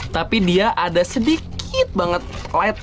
tapi dia ada sedikit banget light